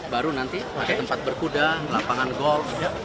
baru nanti pakai tempat berkuda lapangan golf